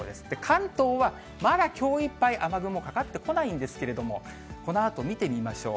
関東はまだきょういっぱい、雨雲かかってこないんですけれども、このあと見てみましょう。